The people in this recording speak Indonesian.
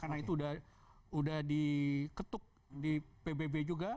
karena itu sudah diketuk di pbb juga